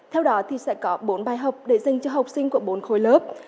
theo đó thì sẽ có bốn bài học để dành cho học sinh của bốn khối lớp